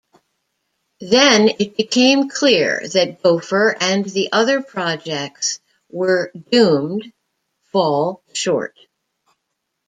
Then it became clear that Gopher and the other projects were doomed fall short.